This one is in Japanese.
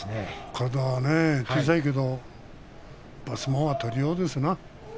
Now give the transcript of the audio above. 体は小さいけど相撲は取りようですな。